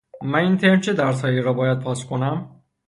من این ترم چه درس هایی را باید پاس کنم؟